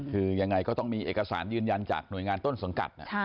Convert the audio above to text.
คือยังไงก็ต้องมีเอกสารยืนยันจากหน่วยงานต้นสังกัด